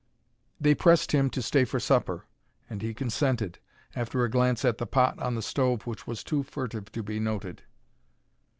They pressed him to stay for supper, and he consented, after a glance at the pot on the stove which was too furtive to be noted.